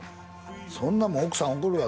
そんなもん奥さん怒るわ